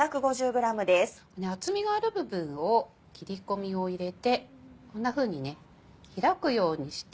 厚みがある部分を切り込みを入れてこんなふうにね開くようにして。